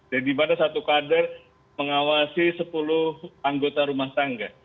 di mana satu kader mengawasi sepuluh anggota rumah tangga